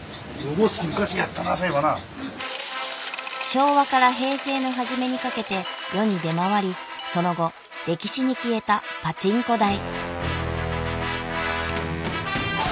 昭和から平成の初めにかけて世に出回りその後歴史に消えたパチンコ台。